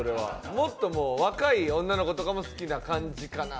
もっと若い女の子も好きな感じかな。